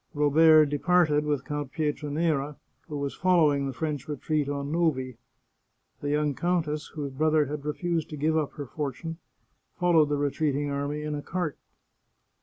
Robert departed with Count Pietranera, who was following the French retreat on Novi. The young countess, whose brother had refused to give up her for tune, followed the retreating army in a cart.